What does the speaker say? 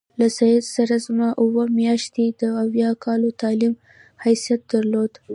له سید سره زما اووه میاشتې د اویا کالو تعلیم حیثیت درلود.